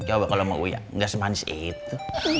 coba kalau sama uya gak semanis itu